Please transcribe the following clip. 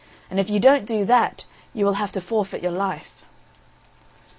And if you don't do that, you will have to forfeit your life."